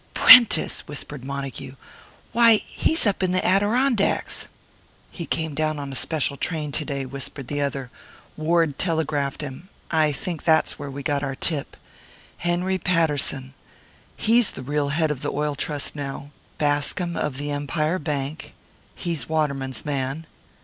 "Prentice!" whispered Montague. "Why, he's up in the Adirondacks!" "He came down on a special train to day," whispered the other. "Ward telegraphed him I think that's where we got our tip. Henry Patterson. He's the real head of the Oil Trust now. Bascom of the Empire Bank. He's Waterman's man."